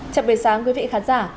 chào mừng sáng quý vị khán giả